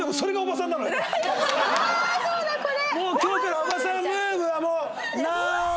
ああそうだこれ！